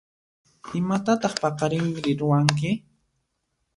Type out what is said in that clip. Imatataq paqarinri ruwanki?